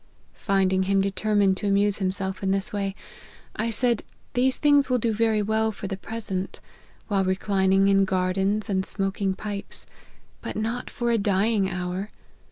Finding him determined to amuse himself in this way, I said, These things will do very well for the present, while reclining in gardens and smoking pipes ; but not for a dying hour.